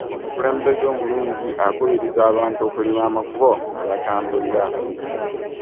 omukulembeze omulungi akubiriza abantu okulima amakubo mwebatambulira